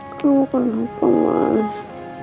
kamu kenapa mas